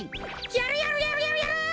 やるやるやるやるやる！